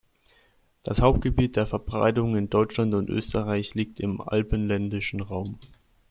Das Hauptgebiet der Verbreitung in Deutschland und Österreich liegt im alpenländischen Raum.